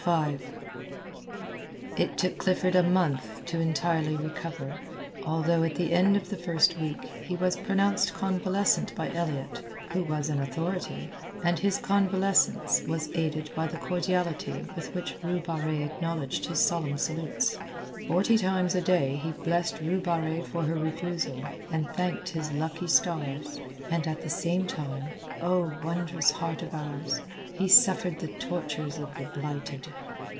V It took Clifford a month to entirely recover, although at the end of the first week he was pronounced convalescent by Elliott, who was an authority, and his convalescence was aided by the cordiality with which Rue Barrée acknowledged his solemn salutes. Forty times a day he blessed Rue Barrée for her refusal, and thanked his lucky stars, and at the same time, oh, wondrous heart of ours! he suffered the tortures of the blighted.